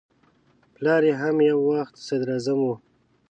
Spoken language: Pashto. پلار یې هم یو وخت صدراعظم و.